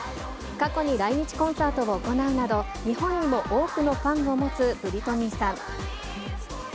過去に来日コンサートを行うなど、日本にも多くのファンを持つブリトニーさん。